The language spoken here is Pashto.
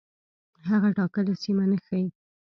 هغه ټاکلې سیمه نه ښيي.